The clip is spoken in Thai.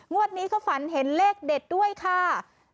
วันนี้เขาฝันเห็นเลขเด็ดด้วยค่ะ